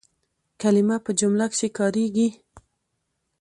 کلیمه په جمله کښي کارېږي.